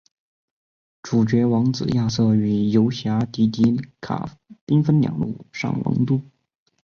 主角王子亚瑟与游侠迪迪卡兵分两路上王都。